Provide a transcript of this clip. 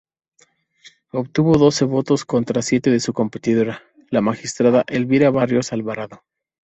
Obtuvo doce votos contra siete de su competidora, la magistrada Elvia Barrios Alvarado.